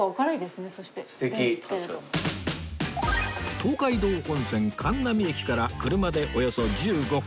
東海道本線函南駅から車でおよそ１５分